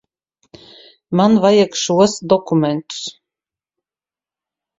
Man vajag šos dokumentus.